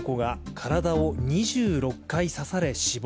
体を２６回刺され、死亡。